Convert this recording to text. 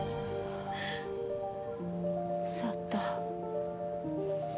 佐都。